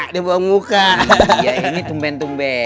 halo pertanyaan yang tak bisa kita urti